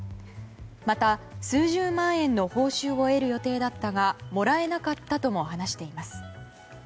また、数十万円の報酬を得る予定だったがもらえなかったとも話しています。